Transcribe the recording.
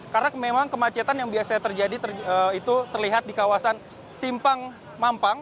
karena memang kemacetan yang biasa terjadi itu terlihat di kawasan simpang mampang